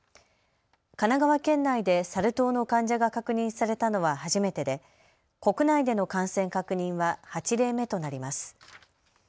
神奈川県内でサル痘の患者が確認されたのは初めてで国内での感染確認は８例目となります。